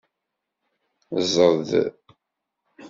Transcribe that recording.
Ẓẓed.